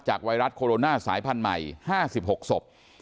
ไวรัสโคโรนาสายพันธุ์ใหม่๕๖ศพ